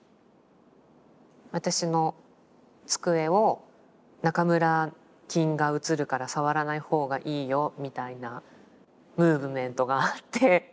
私の机を中村菌がうつるから触らないほうがいいよみたいなムーブメントがあって。